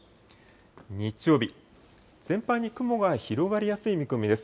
日曜日、全般に雲が広がりやすい見込みです。